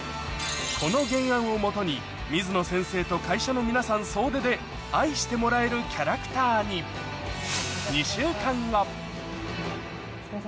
この原案を基に水野先生と会社の皆さん総出で愛してもらえるキャラクターにお疲れさまです。